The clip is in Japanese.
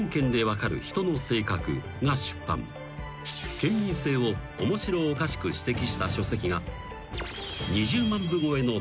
［県民性を面白おかしく指摘した書籍が］